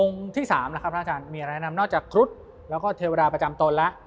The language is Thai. องค์ที่สามมีอะไรแนะนำนอกจากครุฑและเทวราประจำตน